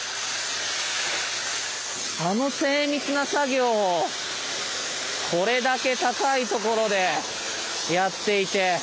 あの精密な作業をこれだけ高い所でやっていて。